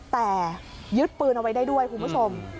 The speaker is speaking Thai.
แต่ยึดปืนเอาไว้ได้ด้วยคุณผู้ชม